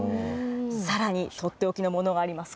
さらに取って置きのものがあります。